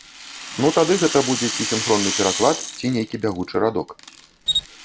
Ну тады гэта будзе ці сінхронны пераклад, ці нейкі бягучы радок.